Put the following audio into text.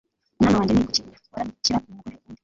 mwana wanjye, ni kuki wararukira umugore w'undi